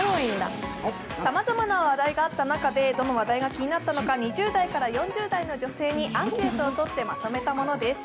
さまざまな話題があった中でどの話題が気になったのか２０代から４０代の女性にアンケートを取ってまとめたものです。